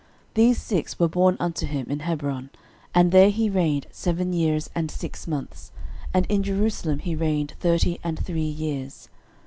13:003:004 These six were born unto him in Hebron; and there he reigned seven years and six months: and in Jerusalem he reigned thirty and three years.